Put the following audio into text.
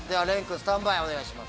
スタンバイお願いします。